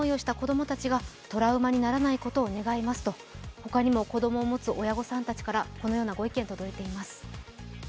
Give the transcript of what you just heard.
他にも子供を持つ親御さんからこのようなご意見が届いています。